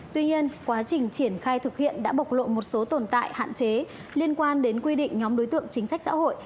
tuy nhiên quá trình triển khai thực hiện đã bộc lộ một số tồn tại hạn chế liên quan đến quy định nhóm đối tượng chính sách xã hội